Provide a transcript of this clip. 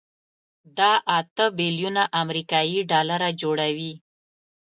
دا اته بيلیونه امریکایي ډالره جوړوي.